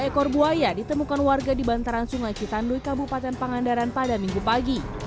ekor buaya ditemukan warga di bantaran sungai citanduikabupaten pangandaran pada minggu pagi